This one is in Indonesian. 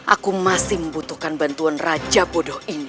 aku masih membutuhkan bantuan raja bodoh ini